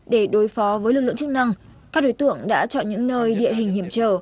để đối phó với lực lượng chức năng các đối tượng đã chọn những nơi địa hình hiểm trở